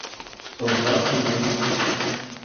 O vasto mundo